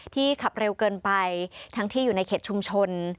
ขับเร็วเกินไปทั้งที่อยู่ในเขตชุมชน